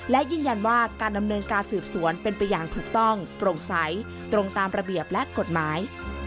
และยืนยันว่าการดำเนินการสืบสวนเป็นไปอย่างถูกต้องโปร่งใสตรงตามระเบียบและกฎหมาย